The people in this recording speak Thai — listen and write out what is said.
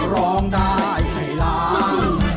คือร้องได้ให้ร้อง